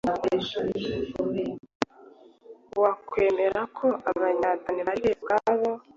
Wakwemera ko Abanya-Danemark ubwabo